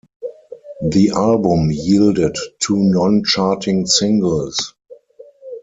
The album yielded two non-charting singles.